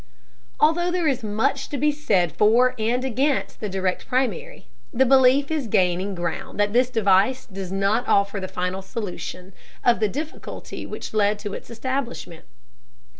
Although there is much to be said for and against the Direct Primary, the belief is gaining ground that this device does not offer the final solution of the difficulty which led to its establishment.